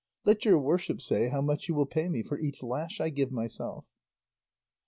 Let your worship say how much you will pay me for each lash I give myself."